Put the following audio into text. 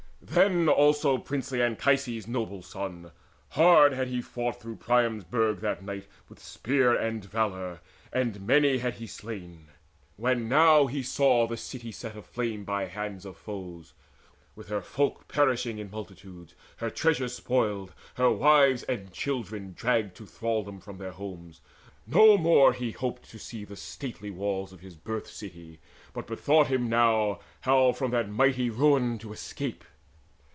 Then also princely Anchises' noble son Hard had he fought through Priam's burg that night With spear and valour, and many had he slain When now he saw the city set aflame By hands of foes, saw her folk perishing In multitudes, her treasures spoiled, her wives And children dragged to thraldom from their homes, No more he hoped to see the stately walls Of his birth city, but bethought him now How from that mighty ruin to escape.